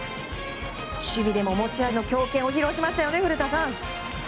守備でも持ち味の強肩を披露しましたよね、古田さん。